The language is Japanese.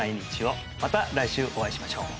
また来週お会いしましょう！